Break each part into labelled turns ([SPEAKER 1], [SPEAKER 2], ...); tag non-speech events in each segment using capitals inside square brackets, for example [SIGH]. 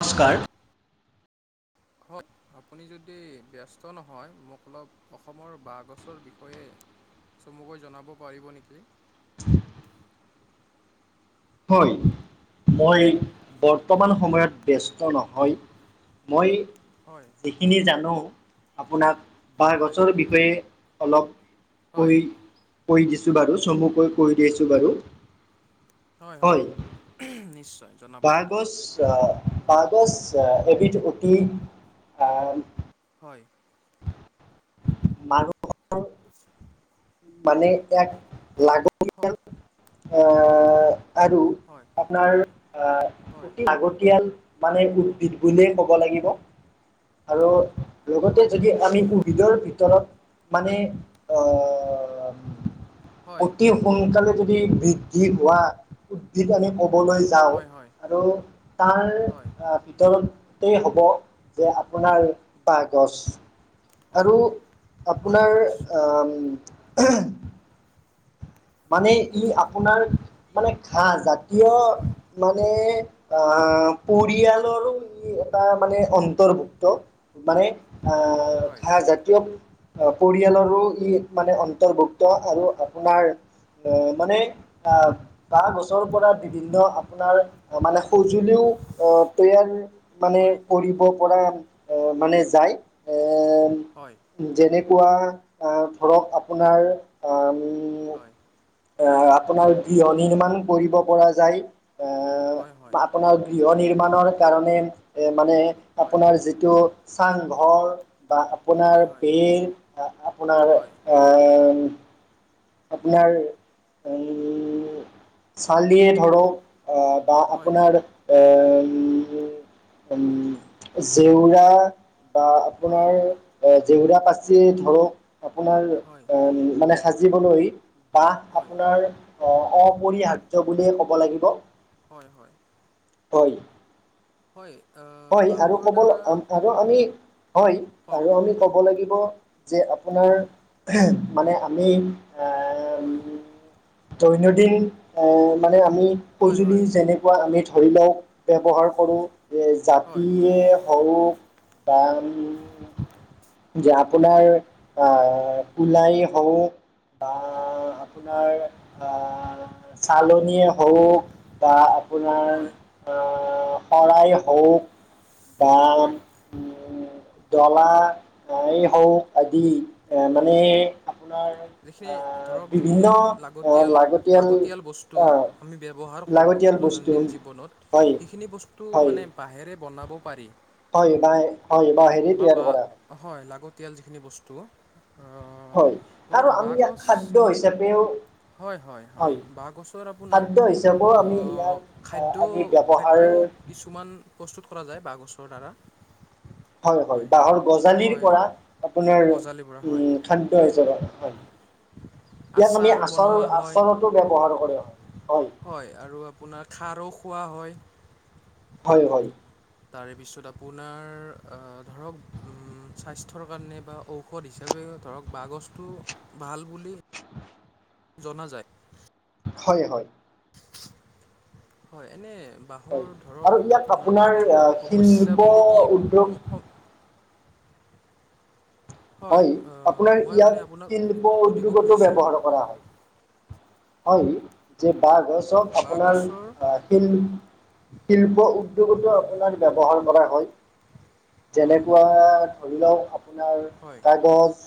[SPEAKER 1] Hello
[SPEAKER 2] নমস্কাৰ।
[SPEAKER 1] হয়। আপুনি যদি ব্যস্ত নহয় মোক অলপ অসমৰ বাঁহগছৰ বিষয়ে চমুকৈ জনাব পাৰিব নেকি?
[SPEAKER 2] [INAUDIBLE] হয়, মই বৰ্তমান সময়ত ব্যস্ত নহয়। মই
[SPEAKER 1] হয়।
[SPEAKER 2] যিখিনি জানো আপোনাক বাঁহ
[SPEAKER 1] হয়
[SPEAKER 2] গছৰ বিষয়ে অলপ
[SPEAKER 1] হয়
[SPEAKER 2] কৈ কৈ দিছো বাৰু চমুকৈ কৈ দিছো বাৰু।
[SPEAKER 1] হয় হয়, উহ নিশ্চয়। জনাব পাৰে
[SPEAKER 2] বাহগছ আ বাহগছ আ এবিধ উদ্যোগীক আ
[SPEAKER 1] হয়।
[SPEAKER 2] [UNINTELLIGIBLE] মানে এক লাগ
[SPEAKER 1] হ
[SPEAKER 2] আহ আৰু
[SPEAKER 1] হয়
[SPEAKER 2] আপোনাৰ আ
[SPEAKER 1] হয়
[SPEAKER 2] অতি লাগতিয়াল মানে উদ্ভিদ বুলিয়েই ক'ব লাগিব। আৰু লগতে
[SPEAKER 1] হয়
[SPEAKER 2] যদি আমি উদ্ভিদৰ ভিতৰত মানে অ অম
[SPEAKER 1] হয়
[SPEAKER 2] অতি সোনকালে যদি বৃদ্ধি হোৱা, উদ্ভিদ আমি ক'বলৈ পাওঁ
[SPEAKER 1] হয় হয়
[SPEAKER 2] আৰু তাৰ
[SPEAKER 1] হয় হয়
[SPEAKER 2] আ ভিতৰত তই হব, যে আপোনাৰ বাহ গছ।
[SPEAKER 1] হয়
[SPEAKER 2] আৰু
[SPEAKER 1] হয় হয়
[SPEAKER 2] আপোনাৰ
[SPEAKER 1] নিশ্চয়
[SPEAKER 2] আম এহে মানে ই আপোনাৰ মানে ঘাহ জাতীয়
[SPEAKER 1] হয়
[SPEAKER 2] মানে আ পৰিয়ালৰো ই এটা মানে অন্তৰ্ভুক্ত মানে আ
[SPEAKER 1] হয়
[SPEAKER 2] ঘাহ জাতীয় বুলি আ পৰিয়ালৰো ই মানে অন্তৰ্ভুক্ত আৰু আপোনাৰ মানে আ বাহ গছৰ পৰা বিভিন্ন আপোনাৰ অ মানে সঁজুলিও আহ তৈয়াৰ মানে
[SPEAKER 1] হয়
[SPEAKER 2] কৰিব পৰা এ মানে যায় এ
[SPEAKER 1] হয়।
[SPEAKER 2] যেনেকুৱা আ ধৰক আপোনাৰ আম
[SPEAKER 1] হয়
[SPEAKER 2] এ আপোনাৰ গৃহ নিৰ্মাণ কৰিব পৰা যায়,
[SPEAKER 1] হয়
[SPEAKER 2] এ
[SPEAKER 1] হয়
[SPEAKER 2] আপোনাৰ গৃহ নিৰ্মাণৰ কাৰণে এ মানে
[SPEAKER 1] হয়
[SPEAKER 2] আপোনাৰ যিটো চাংঘৰ বা
[SPEAKER 1] হয় হয়
[SPEAKER 2] আপোনাৰ বীৰ আ আপোনাৰ
[SPEAKER 1] হয়
[SPEAKER 2] আ আপোনাৰ উম চালিয়ে
[SPEAKER 1] হয় হয় হয়
[SPEAKER 2] ধৰক আহ বা
[SPEAKER 1] হয়
[SPEAKER 2] আপোনাৰ অম অম জেওৰা বা আপোনাৰ এ জেওৰা পাচি ধৰক আপোনাৰ এ মানে সাজিবলৈ বা আপোনাৰ অ অপৰিহাৰ্য্য বুলিয়ে ক'ব লাগিব।
[SPEAKER 1] হয় হয়।
[SPEAKER 2] হয়।
[SPEAKER 1] হয় অ
[SPEAKER 2] হয় আৰু ক'বলে অম অম আৰু আমি হয়
[SPEAKER 1] কওক
[SPEAKER 2] আৰু আমি ক'ব লাগিব যে আপোনাৰ
[SPEAKER 1] হয়
[SPEAKER 2] এহেম মানে আমি এ
[SPEAKER 1] হয়
[SPEAKER 2] দৈনন্দিন এ মানে আমি
[SPEAKER 1] হয়
[SPEAKER 2] সজুলি
[SPEAKER 1] হয়
[SPEAKER 2] যেনে আমি ধৰি লওক ব্যৱহাৰ কৰোঁ
[SPEAKER 1] হয়
[SPEAKER 2] জাপিয়ে হওঁক বা যে আপোনাৰ আহ ওলাই হওক বা
[SPEAKER 1] হয়
[SPEAKER 2] আপোনাৰ আহ চালনীয়ে হওক বা আপোনাৰ
[SPEAKER 1] হয়
[SPEAKER 2] আহ শৰাই হওক বা
[SPEAKER 1] হয়
[SPEAKER 2] উম ডলা এই হক আদি এ
[SPEAKER 1] হয়
[SPEAKER 2] মানে আপোনাৰ আ
[SPEAKER 1] যিখিনি ধৰক
[SPEAKER 2] বিভিন্ন
[SPEAKER 1] যিখিনি লাগতিয়াল
[SPEAKER 2] লাগতিয়াল
[SPEAKER 1] বস্তু
[SPEAKER 2] আ
[SPEAKER 1] আমি ব্যৱহাৰ কৰোঁ দৈনন্দিন জীৱনত
[SPEAKER 2] হয়
[SPEAKER 1] সেইখিনি বস্তু
[SPEAKER 2] হয়
[SPEAKER 1] মানে বাঁহেৰে বনাব পাৰি
[SPEAKER 2] হয় বাহে হয় বাহেৰে
[SPEAKER 1] বা
[SPEAKER 2] তৈয়াৰ
[SPEAKER 1] বা
[SPEAKER 2] কৰা
[SPEAKER 1] হয় লাগতিয়াল যিখিনি বস্তু
[SPEAKER 2] হয়
[SPEAKER 1] ধৰক
[SPEAKER 2] আৰু আমি ইয়াক
[SPEAKER 1] বাঁহগছ
[SPEAKER 2] খাদ্য হিচাপেও
[SPEAKER 1] হয় হয় হয় বাঁহ গছৰ আপোনাৰ
[SPEAKER 2] খাদ্য হিচাপেও আমি
[SPEAKER 1] আহ
[SPEAKER 2] ইয়াক
[SPEAKER 1] খাদ্য
[SPEAKER 2] আমি ব্যৱহাৰ
[SPEAKER 1] খাদ্য কিছুমান প্ৰস্তুত কৰা যায় বাঁহগছৰ দ্বাৰা
[SPEAKER 2] হয় হয় বাঁহৰ গজালিৰ
[SPEAKER 1] হয়
[SPEAKER 2] পৰা আপোনাৰ
[SPEAKER 1] গজালিৰ পৰা হয়
[SPEAKER 2] উম খাদ্য হিচাপে হয় ইয়াক আমি আচাৰ
[SPEAKER 1] বনোৱা হয়
[SPEAKER 2] আচৰত টো ব্যৱহাৰ কৰে হয় হয়
[SPEAKER 1] হয় আৰু আপোনাৰ খাৰো খোৱা হয়
[SPEAKER 2] হয় হয়
[SPEAKER 1] তাৰে পিছত আপোনাৰ ধৰক স্বাস্থ্যৰ কাৰণে বা ঔষধ হিচাপে ধৰক বাঁহগছটো ভাল বুলি জনা যায়
[SPEAKER 2] হয় হয়
[SPEAKER 1] হয় এনে বা
[SPEAKER 2] হয়
[SPEAKER 1] বাহৰ
[SPEAKER 2] আৰু
[SPEAKER 1] ধৰক
[SPEAKER 2] ইয়াক
[SPEAKER 1] আপোনাৰ বাঘ গছৰ সমস্যা
[SPEAKER 2] শিল্প
[SPEAKER 1] বুলি কি
[SPEAKER 2] উদ্যোগ
[SPEAKER 1] সম
[SPEAKER 2] হয়
[SPEAKER 1] আহ,
[SPEAKER 2] আপোনাৰ
[SPEAKER 1] মই মানে
[SPEAKER 2] ইয়াত
[SPEAKER 1] আপোনাক
[SPEAKER 2] শিল্প
[SPEAKER 1] সুধিব
[SPEAKER 2] উদ্যোগতো
[SPEAKER 1] খুজিছিলোঁ
[SPEAKER 2] ব্যৱহাৰ কৰা হয় হয় যে বহ গছক আপোনাৰ
[SPEAKER 1] বাঁহগছৰ
[SPEAKER 2] শিল শিল্প উদ্যোগতো
[SPEAKER 1] হয়
[SPEAKER 2] আপোনাৰ ব্যৱহাৰ কৰা হয়
[SPEAKER 1] হয়
[SPEAKER 2] যেনেকুৱা ধৰি লওক আপোনাৰ
[SPEAKER 1] হয়
[SPEAKER 2] কাগজ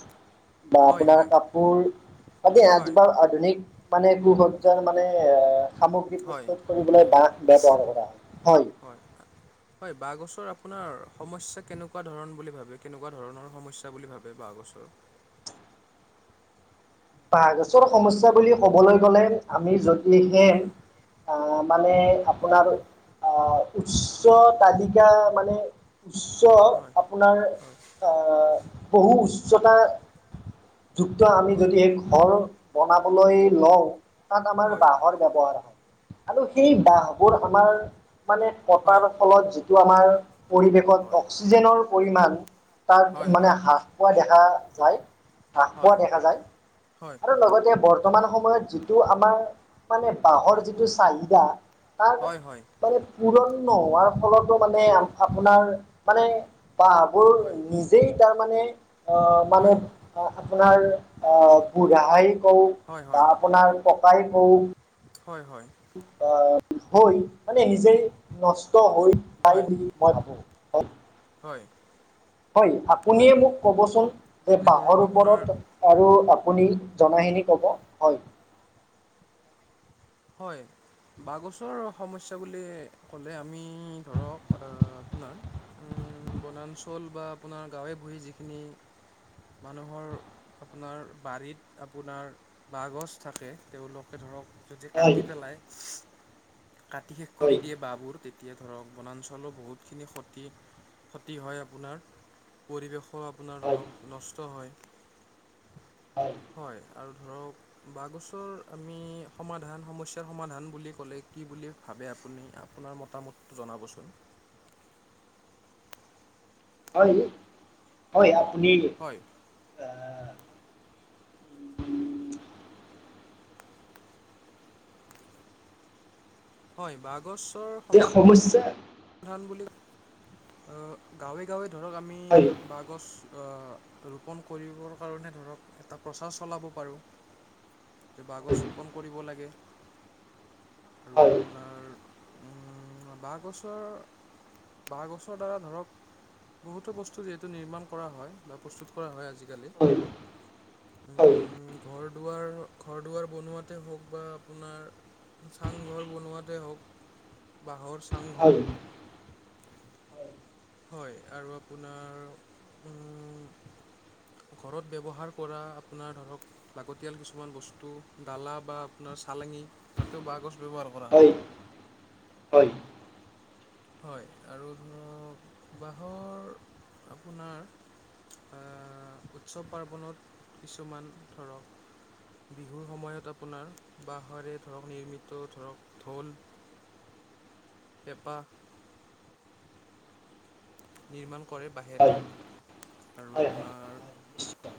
[SPEAKER 2] বা
[SPEAKER 1] হয়
[SPEAKER 2] আপোনাৰ
[SPEAKER 1] হয়
[SPEAKER 2] কাপোৰ আদি
[SPEAKER 1] হয় হয়
[SPEAKER 2] আজবাৰ আধুনিক মানে একো সজ্জাৰ মানে সামগ্ৰী
[SPEAKER 1] হয়
[SPEAKER 2] প্ৰস্তুত কৰিবলৈ বাহ ব্যৱহাৰ কৰা হয় হয়
[SPEAKER 1] হয় হয় হয় বাঁহ গছৰ আপোনাৰ সমস্যা কেনেকুৱা ধৰণ বুলি ভাবে কেনেকুৱা ধৰণৰ সমস্যা বুলি ভাব বে বাহ গছৰ
[SPEAKER 2] বাঁহ গছৰ সমস্যা বুলি কবলৈ গলে আমি যদিহে
[SPEAKER 1] হয়
[SPEAKER 2] আহ মানে আপোনাৰ আহ উচ্চ তালিকা মানে উচ্চ
[SPEAKER 1] হয়
[SPEAKER 2] আপোনাৰ বহু উচ্চতা যুক্ত আমি
[SPEAKER 1] হয়
[SPEAKER 2] যদি হে ঘৰ বনাবলৈ লওঁ তাত আমাৰ
[SPEAKER 1] হয়
[SPEAKER 2] বাঁহৰ ব্যৱহাৰ হয় আৰু সেই বাহবোৰ আমাৰ মানে কতাৰ
[SPEAKER 1] হয়
[SPEAKER 2] ফলত টো আমাৰ পৰিৱেশত
[SPEAKER 1] হয়
[SPEAKER 2] অক্সিজেনৰ পৰিমাণ তাত
[SPEAKER 1] হয় হয়
[SPEAKER 2] মানে হ্ৰাস পোৱা দেখা যায় হ্ৰাস পোৱা
[SPEAKER 1] হয়
[SPEAKER 2] দেখা যায়
[SPEAKER 1] হয়
[SPEAKER 2] আৰু লগতে বৰ্তমান সময়ত যিটো আমাৰ মানে
[SPEAKER 1] হয়
[SPEAKER 2] বাঁহৰ যিটো চাহিদা তাৰ
[SPEAKER 1] হয় হয়
[SPEAKER 2] মানে পুৰণ নোৱাৰ ফলতো মানে আপোনাৰ মানে বাহ মোৰ,
[SPEAKER 1] হয় হয়
[SPEAKER 2] নিজেই তাৰ মানে অ' মানে
[SPEAKER 1] হয়
[SPEAKER 2] অ' আপোনাৰ আহ' বোৰাহাই কল
[SPEAKER 1] হয়
[SPEAKER 2] বা আপোনাৰ পকাই কল
[SPEAKER 1] হয়, হয়।
[SPEAKER 2] আহ [INAUDIBLE] হৈ মানে নিজেই নষ্ট হৈ যায়,
[SPEAKER 1] হয়
[SPEAKER 2] বুলি মই ভাবো।
[SPEAKER 1] হয়।
[SPEAKER 2] হয়,
[SPEAKER 1] হয়
[SPEAKER 2] আপুনিয়ে মোক ক'বচোন যে
[SPEAKER 1] এনে ধৰক
[SPEAKER 2] বাঁহৰ
[SPEAKER 1] আপোনাৰ
[SPEAKER 2] ওপৰত আৰু আপুনি জনাখিনি ক'ব হয়।
[SPEAKER 1] হয়। বাঁহগছৰ সমস্যা বুলি ক'লে আমি, ধৰক আপোনাৰ উম, বনাঞ্চল বা আপোনাৰ গাঁৱে ভূঞে যিখিনি মানুহৰ আপোনাৰ বাৰীত, আপোনাৰ বাঁহগছ থাকে। তেওঁলোকে ধৰক যদি
[SPEAKER 2] হয়
[SPEAKER 1] কাটি পেলাই, কাটি শেষ কৰি
[SPEAKER 2] হয়
[SPEAKER 1] দিয়ে বাঁহবোৰ তেতি তিয়া ধৰক বনাঞ্চলো বহুতখিনি ক্ষতি, ক্ষতি হয় আপোনাৰ। পৰিৱেশো আপোনাৰ
[SPEAKER 2] হয়
[SPEAKER 1] ধৰক নষ্ট হয়, হয় আৰু ধৰক বাঁহগছৰ আমি সমাধান সমস্যাৰ সমাধান বুলি ক'লে কি বুলি ভাবে আপুনি, আপোনাৰ মতামত জনাবচোন
[SPEAKER 2] হয়, ই। হয় আপুনি
[SPEAKER 1] হয়।
[SPEAKER 2] আহ, উম,
[SPEAKER 1] হয়, বাঁহ গছৰ
[SPEAKER 2] তে সমস্যা
[SPEAKER 1] কিমান বুলি অ' গাঁৱে গাঁৱে ধৰক আমি
[SPEAKER 2] হয়
[SPEAKER 1] বাঁহ গছ আ, ৰোপণ কৰিবৰ কাৰণে ধৰক এটা প্ৰচাৰ চলাব পাৰোঁ। এ বাঁহ গছ
[SPEAKER 2] হয়
[SPEAKER 1] ৰোপণ কৰিব লাগে। আৰু
[SPEAKER 2] হয়
[SPEAKER 1] আপোনাৰ উম, বাঁহ গছ ৰ, বাঁহ গছৰ দ্বাৰা ধৰক বহুতো বস্তু যিহেতু নিৰ্মাণ কৰা হয় বা প্ৰস্তুত কৰা হয়, আজিকালি।
[SPEAKER 2] হয় হয়
[SPEAKER 1] উম ঘৰ দুৱাৰ, ঘৰ দুৱাৰ বনোৱাতে হওক বা আপোনাৰ চাংঘৰ বনোৱাতে হওক, বাঁহৰ
[SPEAKER 2] হয়
[SPEAKER 1] চাংঘৰ।
[SPEAKER 2] হয়
[SPEAKER 1] হয় আৰু আপোনাৰ, উম ঘৰত ব্যৱহাৰ কৰা, আপোনাৰ ধৰক লাগতিয়াল কিছুমান বস্তু দালা বা আপোনাৰ চালেঙি, তাতেও বাঁহ গছ ব্যৱহাৰ কৰা হয়।
[SPEAKER 2] হয়
[SPEAKER 1] হয় আৰু উম, বাঁহৰ আপোনাৰ আ, উৎসৱ পাৰ্বণত কিছুমান ধৰক বিহুৰ সময়ত আপোনাৰ বাঁহৰে ধৰক, নিৰ্মিত ধৰক ঢোল পেপা নিৰ্মাণ কৰে বাঁহেৰে
[SPEAKER 2] হয়
[SPEAKER 1] আৰু
[SPEAKER 2] হয় হয়
[SPEAKER 1] আপোনাৰ
[SPEAKER 2] নিশ্চয়।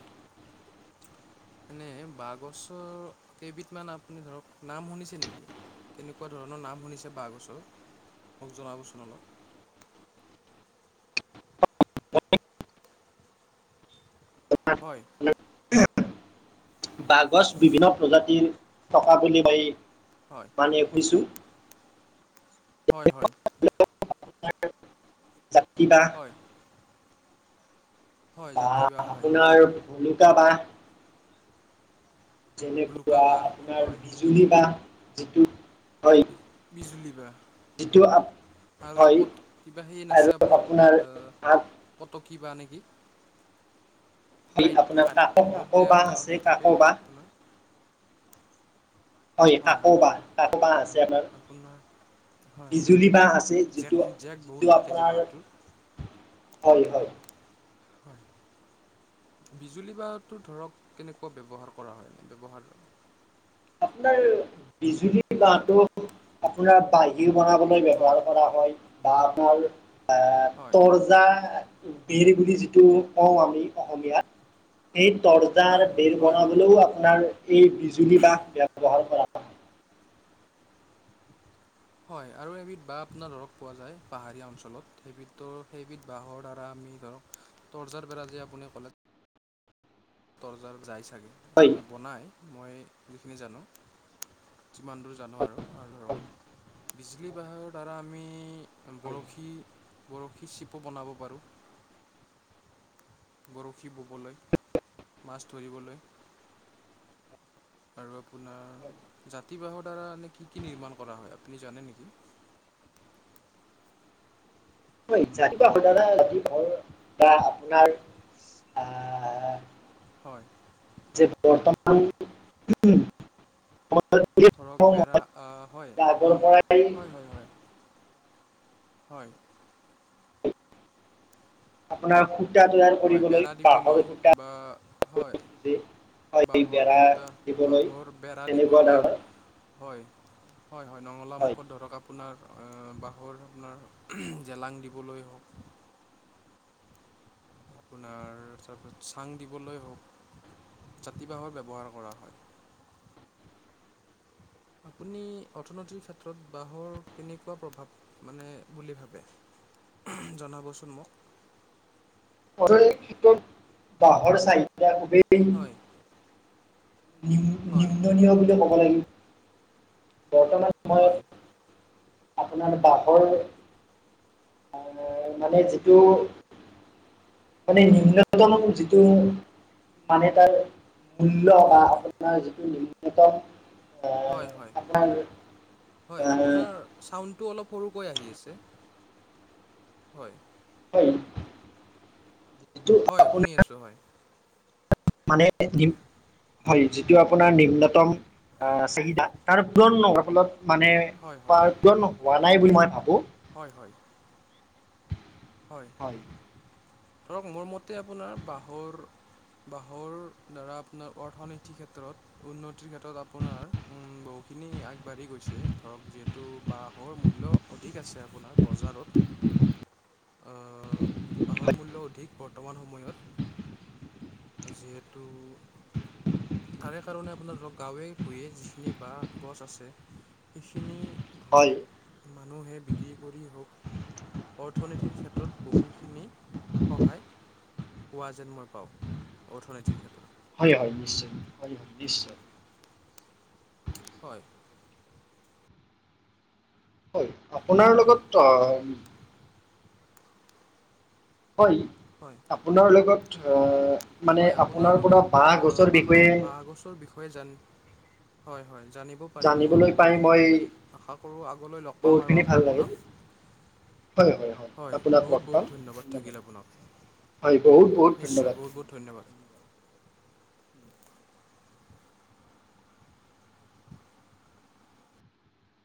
[SPEAKER 1] এনেই বাঁহগছৰ কেইবিধমান আপুনি ধৰক নাম শুনিছে নেকি? কেনেকুৱা ধৰণৰ নাম শুনিছে বাঁহগছৰ, মোক জনাবচোন অলপ।
[SPEAKER 2] [UNINTELLIGIBLE]
[SPEAKER 1] হয়
[SPEAKER 2] [INAUDIBLE] বাহগছ বিভিন্ন প্ৰজাতিৰ থকা বুলি কয়।
[SPEAKER 1] হয়।
[SPEAKER 2] টানিয়ে ফুৰিছোঁ।
[SPEAKER 1] হয়, হয়।
[SPEAKER 2] জাতি বাঁহ,
[SPEAKER 1] হয়। হয়
[SPEAKER 2] বা
[SPEAKER 1] জাতি বাঁহ হয়
[SPEAKER 2] আপোনাৰ ভুলুকা বাঁহ।
[SPEAKER 1] ভুলুকা
[SPEAKER 2] যেনেকুৱা
[SPEAKER 1] বাঁহ
[SPEAKER 2] আপোনাৰ
[SPEAKER 1] হয়
[SPEAKER 2] বিজুলী বাঁহ, যিটো হয়
[SPEAKER 1] বিজুলী বাঁহ।
[SPEAKER 2] যিটো আপ
[SPEAKER 1] আৰু এটা
[SPEAKER 2] হয়
[SPEAKER 1] ক'ত কিবা সেই নাছে আপোনাৰ
[SPEAKER 2] আগ-
[SPEAKER 1] কট কি বাঁহ নেকি।
[SPEAKER 2] হয়
[SPEAKER 1] কাঁইট
[SPEAKER 2] আপোনাৰ
[SPEAKER 1] কা
[SPEAKER 2] কাক
[SPEAKER 1] বহুত
[SPEAKER 2] কাক
[SPEAKER 1] যে
[SPEAKER 2] বাঁহ
[SPEAKER 1] আপোনাৰ
[SPEAKER 2] আছে
[SPEAKER 1] হেই
[SPEAKER 2] কাক
[SPEAKER 1] থাকে
[SPEAKER 2] বাঁহ
[SPEAKER 1] আপোনাৰ।
[SPEAKER 2] হয়, কাকো বাঁহ কাকো বাঁহ আছে আপোনাৰ।
[SPEAKER 1] হয়
[SPEAKER 2] বিজুলী বাঁহ আছে
[SPEAKER 1] জেক
[SPEAKER 2] যিটো
[SPEAKER 1] জেক
[SPEAKER 2] যিটো
[SPEAKER 1] বহুত থাকে যে
[SPEAKER 2] আপোনাৰ
[SPEAKER 1] বাঁহটোৰ
[SPEAKER 2] হয়, হয়।
[SPEAKER 1] হয়। বিজুলী বাঁহ টো ধৰক কেনেকুৱা ব্যৱহাৰ কৰা হয়, ব্যৱহাৰ?
[SPEAKER 2] আপোনাৰ বিজুলী বাঁহটো আপোনাৰ বাঁহী বনাবলৈ
[SPEAKER 1] হয়
[SPEAKER 2] ব্যৱহাৰ কৰা হয়, বা আপোনাৰ এ
[SPEAKER 1] হয়
[SPEAKER 2] তৰ ৰ্জা বেৰ বুলি যিটো কওঁ আমি অসমীয়াত। এই তৰ্জাৰ
[SPEAKER 1] হয় হয়
[SPEAKER 2] বেৰ
[SPEAKER 1] হয় হয়
[SPEAKER 2] বনাবলৈও আপোনাৰ এই বিজুলী বাঁহ ব্যৱহাৰ কৰা হয়।
[SPEAKER 1] হয়, আৰু এবিধ বাঁহ আপোনাৰ ধৰক পোৱা যায় পাহাৰীয়া অঞ্চলত সেইবিধৰ সেইবিধ বাঁহৰ দ্বাৰা আমি ধৰক তৰ্জাৰ বেৰা যে, আপুনি ক'লে তৰ্জাৰ যায় চাগে
[SPEAKER 2] হয়।
[SPEAKER 1] এ বনাই মই যিখিনি জানো। যিমান দূৰ জানো আৰু। বিজুলী বাহৰ দ্বাৰা আমি বৰশী বৰশী চিপো বনাব পাৰোঁ। বৰশী ববলৈ, মাছ ধৰিবলৈ। আৰু আপোনাৰ জাতি বাঁহৰ দ্বাৰা নে কি কি নিৰ্মাণ কৰা হয়, আপুনি জানে নেকি?
[SPEAKER 2] [UNINTELLIGIBLE] জাতি বাঁহৰ দ্বাৰা জাতি বাঁহৰ দ্বাৰা আপোনাৰ আহ
[SPEAKER 1] হয়।
[SPEAKER 2] [UNINTELLIGIBLE]
[SPEAKER 1] ধৰক বেৰা আহ, হয় আমাৰ
[SPEAKER 2] [UNINTELLIGIBLE]
[SPEAKER 1] হয়, হয়, হয়। হয়।
[SPEAKER 2] আপোনাৰ সূতা তৈয়াৰ
[SPEAKER 1] হয়
[SPEAKER 2] কৰিবলৈ
[SPEAKER 1] বেৰা
[SPEAKER 2] বাঁহৰ
[SPEAKER 1] দিবলৈ
[SPEAKER 2] সূতা।
[SPEAKER 1] বা হয়,
[SPEAKER 2] যি হয়
[SPEAKER 1] বাঁহৰ
[SPEAKER 2] বেৰা
[SPEAKER 1] খূটা
[SPEAKER 2] দিবলৈ
[SPEAKER 1] বাঁহৰ বেৰা
[SPEAKER 2] তেনেকুৱা ধৰণৰ
[SPEAKER 1] দিবলৈ। হয়, হয়, হয়, নঙলা মুখত ধৰক- আপোনাৰ বাঁহৰ আপোনাৰ জেলাং দিবলৈ হওক। আপোনাৰ তাৰপিছত চাং দিবলৈ হওক, জাতি বাঁহৰ ব্যৱহাৰ কৰা হয়।। আপুনি অৰ্থনৈতিৰ ক্ষেত্ৰত বাঁহৰ কেনেকুৱা প্ৰভাৱ মানে বুলি ভাবে? জনাবচোন মোক।
[SPEAKER 2] অৰ্থনৈতিক দিশত বাঁহৰ চাহিদা খুবেই
[SPEAKER 1] হয়, হয়,
[SPEAKER 2] নিম্ননীয় বুলি ক'ব লাগিব। বৰ্তমান
[SPEAKER 1] হয়,
[SPEAKER 2] সময়ত আপোনাৰ বাঁহৰ মানে যিটো মানে নিম্নতম যিটো মানে এ তাৰ মূল্যয় বা
[SPEAKER 1] হয়,
[SPEAKER 2] আপোনাৰ যিটো নিম্নতম আহ
[SPEAKER 1] হয়, হয়,
[SPEAKER 2] আপোনাৰ
[SPEAKER 1] হয়,
[SPEAKER 2] আহ
[SPEAKER 1] আপোনাৰ ছাউণ্ডটো অলপ সৰুকৈ আহি আছে, হয়।
[SPEAKER 2] হয়। যিটো
[SPEAKER 1] হয়, শুনি
[SPEAKER 2] আপোনাৰ
[SPEAKER 1] আছো হয়।
[SPEAKER 2] মানে নিম- হয়, যিটো আপোনাৰ নিম্নতম চাহিদা, তাৰ পূৰণ নোহোৱা ফলত- মানে
[SPEAKER 1] হয়, হয়,
[SPEAKER 2] উপাৰ্জন হোৱা নাই বুলি মই ভাবো।
[SPEAKER 1] হয়, হয়। হয়, ধৰক মোৰ মতে আপোনাৰ বাঁহৰ- বাঁহৰ দ্বাৰা আপোনাৰ অৰ্থনীতিৰ ক্ষেত্ৰত, উন্নতিৰ ক্ষেত্ৰত আপোনাৰ- উম' বহুখিনি আগবাঢ়ি গৈছে, ধৰক যিহেতু বাঁহৰ মূল্য অধিক আছে আপোনাৰ বজাৰত। অঁ' বাঁহৰ মূল্য অধিক বৰ্তমান সময়ত। যিহেতু, - তাৰে কাৰণে আপোনাৰ ধৰক গাঁৱে ভূঞে যিখিনি বাঁহ গছ আছে- সেইখিনি
[SPEAKER 2] হয়
[SPEAKER 1] ধৰক মানুহে বিক্ৰী কৰি হওক- অৰ্থনীতিৰ ক্ষেত্ৰত বহুখিনি সহায়- পোৱা যেন মই পাওঁ, অৰ্থনীতিৰ ক্ষেত্ৰত।
[SPEAKER 2] হয় হয়, নিশ্চয় হয় হয় নিশ্চয়।
[SPEAKER 1] হয়।
[SPEAKER 2] হয়, আপোনাৰ
[SPEAKER 1] কামত
[SPEAKER 2] লগত অঁ- হয়।
[SPEAKER 1] হয়।
[SPEAKER 2] আপোনাৰ লগত অঁ-
[SPEAKER 1] হয়, আপোনাৰ লগত অ বাঁহৰ বাঁহগছৰ বিষয়ে জান হয় হয় জানিব- পাৰি মোৰ
[SPEAKER 2] জানিবলৈ পাই
[SPEAKER 1] বহুতখিনি
[SPEAKER 2] মই
[SPEAKER 1] ভাল লাগিল, আশা কৰোঁ আগলৈ লগ পাম আৰু
[SPEAKER 2] বহুতখিনি ভাল লাগিল
[SPEAKER 1] আপোনাক।
[SPEAKER 2] হয় হয়।
[SPEAKER 1] হয়,
[SPEAKER 2] আপোনাক
[SPEAKER 1] বহুত
[SPEAKER 2] লগ
[SPEAKER 1] বহুত
[SPEAKER 2] পাম
[SPEAKER 1] ধন্যবাদ থাকিল আপোনাক।
[SPEAKER 2] হয় বহুত বহুত
[SPEAKER 1] নিশ্চয়
[SPEAKER 2] ধন্যবাদ
[SPEAKER 1] বহুত বহুত ধন্যবাদ।